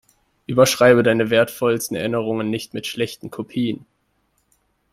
Überschreibe deine wertvollsten Erinnerungen nicht mit schlechten Kopien.